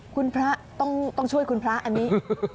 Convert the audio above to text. คุณพระต้องช่วยคุณพระอันนี้